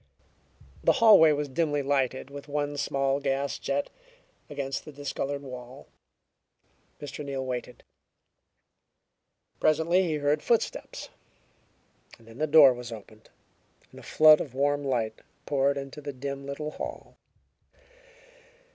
The hallway was dimly lighted with one small gas jet over against the discolored wall. Mr. Neal waited. Presently he heard footsteps. Then the door was opened and a flood of warm light poured into the dim little hall.